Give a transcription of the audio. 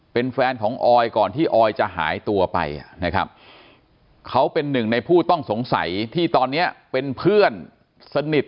เป็นแฟนของออยก่อนที่ออยจะหายตัวไปนะครับเขาเป็นหนึ่งในผู้ต้องสงสัยที่ตอนนี้เป็นเพื่อนสนิท